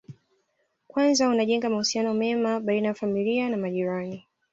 Kwanza unajenga mahusiano mema baina ya familia na majirani